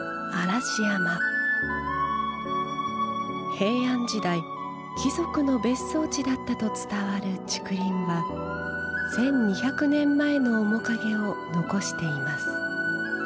平安時代貴族の別荘地だったと伝わる竹林は１，２００年前の面影を残しています。